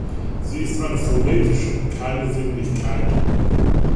Sie ist eine phonetische und keine Sinneinheit.